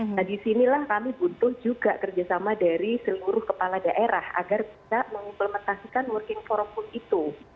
nah disinilah kami butuh juga kerjasama dari seluruh kepala daerah agar bisa mengimplementasikan working form itu